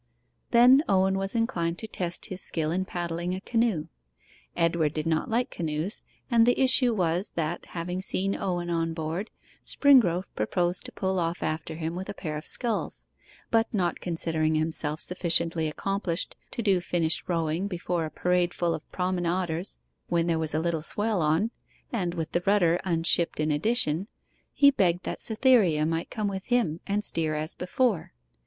Then Owen was inclined to test his skill in paddling a canoe. Edward did not like canoes, and the issue was, that, having seen Owen on board, Springrove proposed to pull off after him with a pair of sculls; but not considering himself sufficiently accomplished to do finished rowing before a parade full of promenaders when there was a little swell on, and with the rudder unshipped in addition, he begged that Cytherea might come with him and steer as before.